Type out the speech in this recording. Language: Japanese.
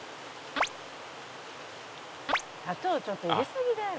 「砂糖ちょっと入れすぎだよ」